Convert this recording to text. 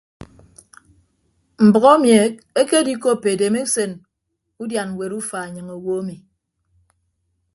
Mbʌk emi ekedikoppo edemusen udian ñwet ufa enyịñ owo emi.